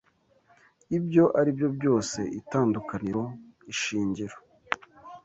Ibyo ari byo byose itandukaniro ishingiro